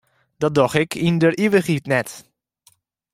Dat doch ik yn der ivichheid net.